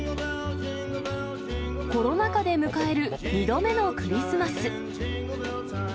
コロナ禍で迎える２度目のクリスマス。